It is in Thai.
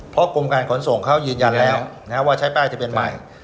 เพราะกรมการขนส่งเขายืนยันแล้วว่าใช้ป้ายทะเบียนใหม่